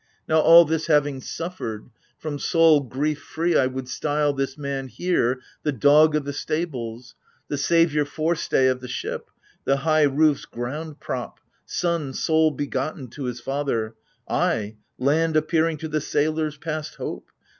Now, all this having suffered, from soul grief free I would style this man here the dog o' the stables, The saviour forestay of the ship, the high roof's Ground prop, son sole begotten to his father, — Ay, land appearing to the sailors past hope.